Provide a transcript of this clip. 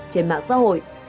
trên mạng xã hội